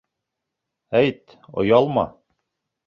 Әйт, оялма...